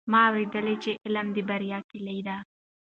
ما اورېدلي چې علم د بریا کیلي ده.